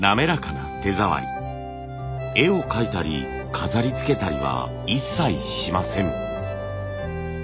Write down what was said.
絵を描いたり飾りつけたりは一切しません。